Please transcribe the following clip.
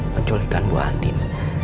penculikan bu andin